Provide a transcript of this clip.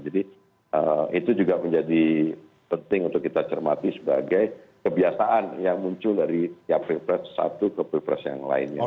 jadi itu juga menjadi penting untuk kita cermati sebagai kebiasaan yang muncul dari pilpres satu ke pilpres yang lainnya